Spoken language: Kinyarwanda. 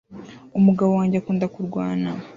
Umugabo wanjye akunda kurwana